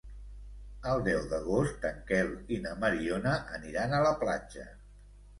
El deu d'agost en Quel i na Mariona aniran a la platja.